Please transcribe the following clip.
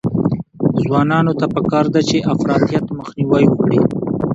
ځوانانو ته پکار ده چې، افراطیت مخنیوی وکړي.